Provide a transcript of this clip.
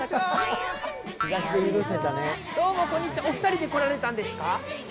お二人で来られたんですか？